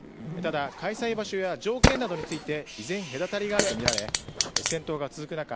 ただ開催場所や条件などについて依然、隔たりがあるとみられ戦闘が続く